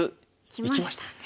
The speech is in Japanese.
いきましたね。